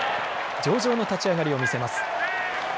上々の立ち上がりを見せます。